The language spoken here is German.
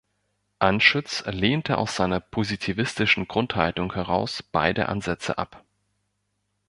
Anschütz lehnte aus seiner positivistischen Grundhaltung heraus beide Ansätze ab.